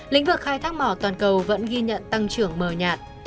lĩnh vực khai thác mỏ toàn cầu vẫn ghi nhận tăng trưởng mờ nhạt